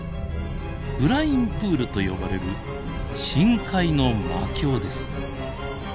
ブラインプールと呼ばれる深海の魔境です。